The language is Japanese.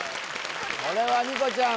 これは虹来ちゃん